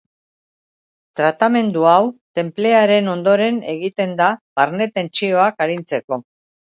Tratamendu hau tenplearen ondoren egiten da barne tentsioak arintzeko.